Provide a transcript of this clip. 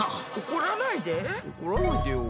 怒らないでよ。